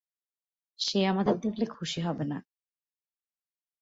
সে আমাদের দেখলে খুশি হবে না।